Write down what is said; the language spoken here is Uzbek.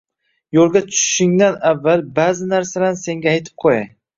Yo`lga tushishingdan avval ba`zi narsalarni senga aytib qo`yay